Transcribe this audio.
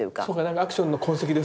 アクションの痕跡ですもんね。